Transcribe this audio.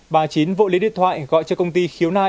bà chín vợ lấy điện thoại gọi cho công ty khiếu nại